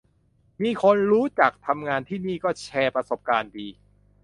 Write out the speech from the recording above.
มีคนรู้จักทำงานที่นี่ก็แชร์ประสบการณ์ดี